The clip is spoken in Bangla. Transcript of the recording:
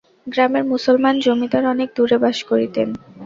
গ্রামের মুসলমান জমিদার অনেক দূরে বাস করিতেন।